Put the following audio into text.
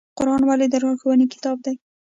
قرآن ولې د لارښوونې کتاب دی؟